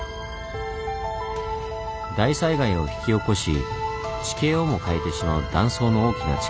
大災害を引き起こし地形をも変えてしまう断層の大きな力。